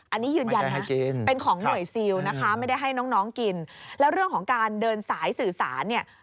อันนี้ยืนยันนะเป็นของหน่วยซิลนะคะไม่ได้ให้น้องกินแล้วเรื่องของการเดินสายสื่อสารเนี่ย